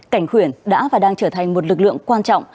cảnh khuyển đã và đang trở thành một lực lượng quan trọng